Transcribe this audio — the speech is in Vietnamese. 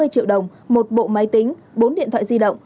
hai trăm bốn mươi triệu đồng một bộ máy tính bốn điện thoại di động